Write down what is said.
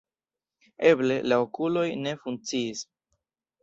Eble, la okuloj ne funkciis.